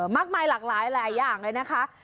มากมายหลากหลายอย่างเลยนะคะ